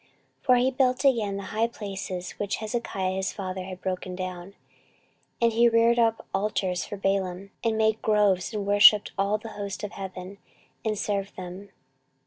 14:033:003 For he built again the high places which Hezekiah his father had broken down, and he reared up altars for Baalim, and made groves, and worshipped all the host of heaven, and served them.